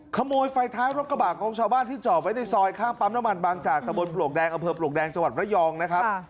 ขโมยไฟท้ายรถกระบาดของชาวบ้านที่จอดไว้ในซอยข้างปั๊มน้ำมันบางจากตะบนปลวกแดงอำเภอปลวกแดงจังหวัดระยองนะครับ